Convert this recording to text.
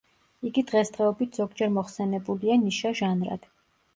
იგი დღესდღეობით ზოგჯერ მოხსენებულია ნიშა ჟანრად.